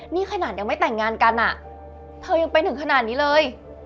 นี่ขนาดยังไม่แต่งงานกันอ่ะเธอยังไปถึงขนาดนี้เลย